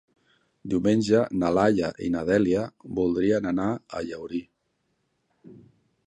Diumenge na Laia i na Dèlia voldrien anar a Llaurí.